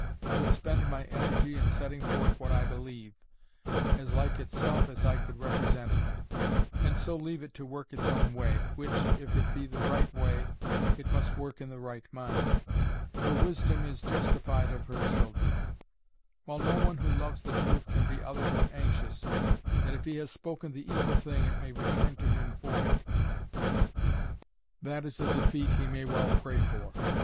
I would spend my energy in setting forth what I believe—as like itself as I could represent it, and so leave it to work its own way, which, if it be the right way, it must work in the right mind,—for Wisdom is justified of her children; while no one who loves the truth can be other than anxious, that if he has spoken the evil thing it may return to him void: that is a defeat he may well pray for.